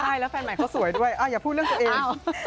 ใช่แล้วแฟนใหม่เขาสวยด้วยอย่าพูดเรื่องตัวเอง